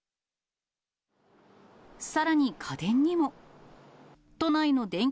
さらに、家電にも。